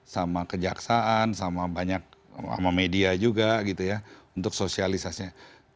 sama kejaksaan sama banyak sama media juga gitu ya untuk sosialisasinya